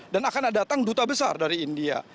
dan akan datang duta besar dari india